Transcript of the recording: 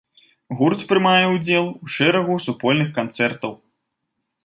Гурт прымае ўдзел у шэрагу супольных канцэртаў.